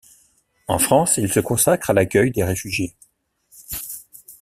En France, il se consacre à l’accueil des réfugiés.